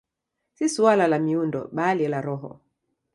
Si suala la miundo, bali la roho.